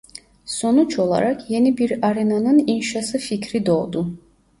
Sonuç olarak yeni bir arenanın inşası fikri doğdu.